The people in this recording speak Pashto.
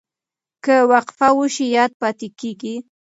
که وقفه وشي یاد پاتې کېږي.